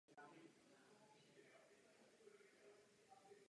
Zároveň splnil limit na seniorské mistrovství Evropy v Curychu.